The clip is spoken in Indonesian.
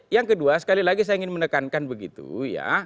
yang kedua sekali lagi saya ingin menekankan begitu ya